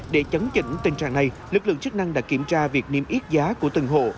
để chấn chỉnh tình trạng này lực lượng chức năng đã kiểm tra việc niêm yết giá của từng hộ